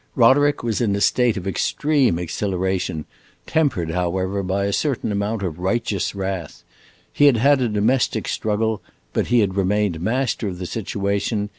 Roderick was in a state of extreme exhilaration, tempered, however, by a certain amount of righteous wrath. He had had a domestic struggle, but he had remained master of the situation.